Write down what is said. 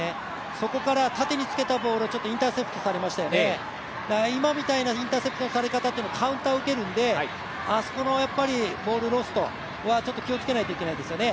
そこから縦につけたボールをインターセプトされましたよね、今のインターセプトされるとカウンターを受けるので、あそこのボールロストは気をつけないといけないですね。